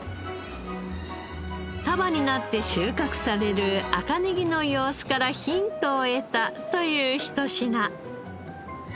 束になって収穫される赤ネギの様子からヒントを得たというひと品。